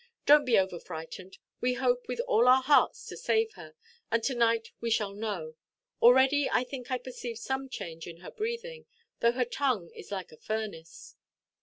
Donʼt be over–frightened. We hope with all our hearts to save her, and to–night we shall know. Already I think I perceive some change in her breathing, though her tongue is like a furnace."